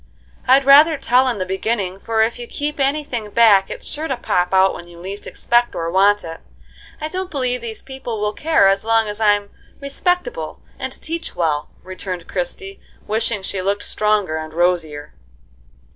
"I'd rather tell in the beginning, for if you keep any thing back it's sure to pop out when you least expect or want it. I don't believe these people will care as long as I'm respectable and teach well," returned Christie, wishing she looked stronger and rosier.